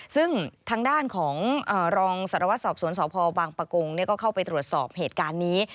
ซึ่งทางด้านของรองศรวรรษศอบสวนสระพอบังปากงเนี่ยก็เข้าไปตรวจสอบเหตุการณ์นี้